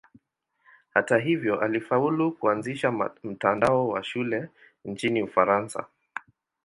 Hata hivyo alifaulu kuanzisha mtandao wa shule nchini Ufaransa.